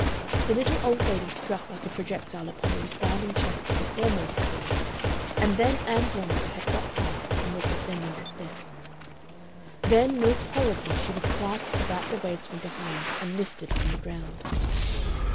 The little old lady struck like a projectile upon the resounding chest of the foremost of these, and then Ann Veronica had got past and was ascending the steps. Then most horribly she was clasped about the waist from behind and lifted from the ground.